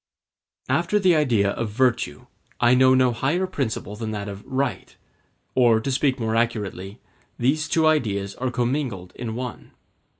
After the idea of virtue, I know no higher principle than that of right; or, to speak more accurately, these two ideas are commingled in one.